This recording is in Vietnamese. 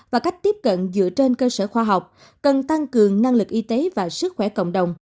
và cách tiếp cận dựa trên cơ sở khoa học cần tăng cường năng lực y tế và sức khỏe cộng đồng